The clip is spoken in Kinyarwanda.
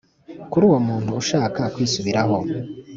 kuri uwo muntu ushaka kwisubiraho